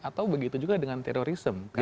atau begitu juga dengan terorisme